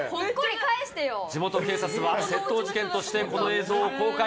地元警察は窃盗事件として、この映像を公開。